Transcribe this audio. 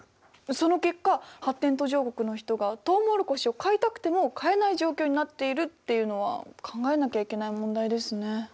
その結果発展途上国の人がとうもろこしを買いたくても買えない状況になっているっていうのは考えなきゃいけない問題ですね。